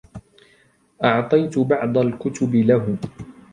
أعطيت بعض الكتب له.